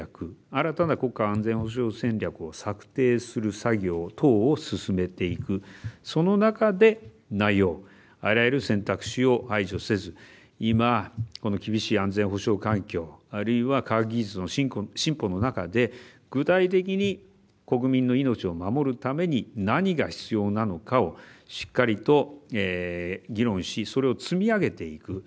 新たな国家安全保障戦略を策定する作業等を進めていくその中で内容、あらゆる選択肢を排除せず、今、この厳しい安全保障環境あるいは科学技術の進歩の中で具体的に国民の命を守るために何が必要なのかをしっかりと議論しそれを積み上げていく。